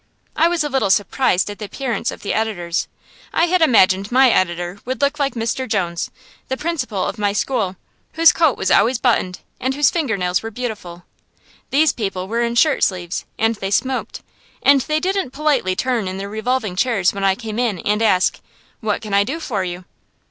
I was a little surprised at the appearance of the editors. I had imagined my editor would look like Mr. Jones, the principal of my school, whose coat was always buttoned, and whose finger nails were beautiful. These people were in shirt sleeves, and they smoked, and they didn't politely turn in their revolving chairs when I came in, and ask, "What can I do for you?"